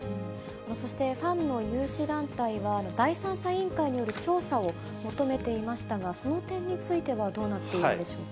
そしてファンの有志団体は、第三者委員会による調査を求めていましたが、その点についてはどうなっているんでしょうか。